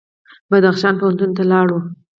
بدخشان پوهنتون ته لاړو.